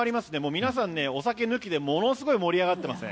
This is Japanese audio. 皆さん、お酒抜きでものすごい盛り上がっています。